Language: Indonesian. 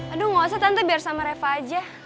aduh gak usah tante biar sama reva aja